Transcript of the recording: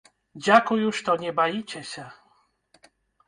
Дзякую, што не баіцеся!